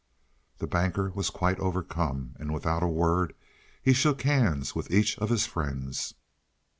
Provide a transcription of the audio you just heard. The Banker was quite overcome, and without a word he shook hands with each of his friends.